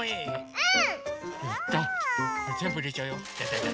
うん！